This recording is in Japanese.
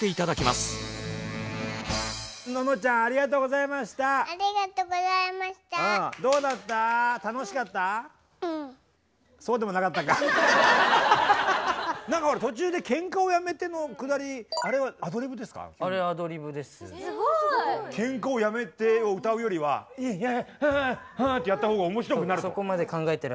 すごい！「けんかをやめて」を歌うよりはいやはってやった方が面白くなるから？